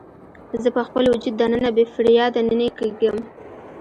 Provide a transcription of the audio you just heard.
زه په خپل وجود دننه بې فریاده نینې کیږم